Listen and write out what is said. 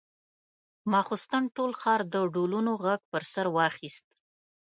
ماخستن ټول ښار د ډولونو غږ پر سر واخيست.